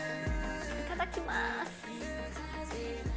いただきます。